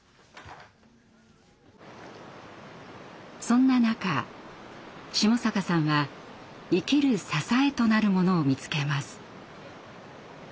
そんな中下坂さんは「生きる支え」となるものを見つけます。